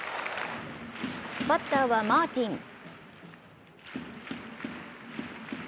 バッターはマーティン。